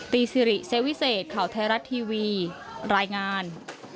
สิริเซวิเศษข่าวไทยรัฐทีวีรายงาน